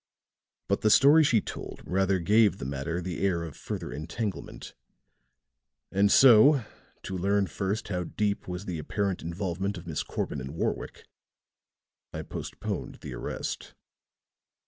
But the story she told rather gave the matter the air of further entanglement; and so, to learn first how deep was the apparent involvement of Miss Corbin and Warwick, I postponed the arrest."